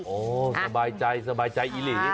โอ้สบายใจสบายใจอีหลี